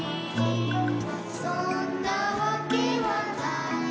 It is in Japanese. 「そんなわけはないけれど」